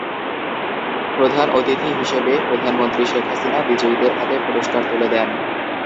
প্রধান অতিথি হিসেবে প্রধানমন্ত্রী শেখ হাসিনা বিজয়ীদের হাতে পুরস্কার তুলে দেন।